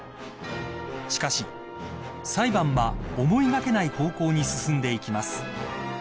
［しかし裁判は思いがけない方向に進んでいきます］